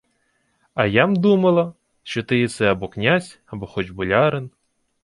— А я-м думала, що ти єси або князь, або хоч болярин.